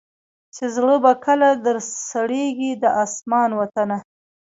چي زړه به کله در سړیږی د اسمان وطنه